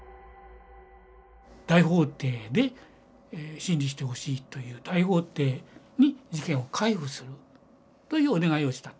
大法廷で審理してほしいという大法廷に事件を回付するというお願いをしたと。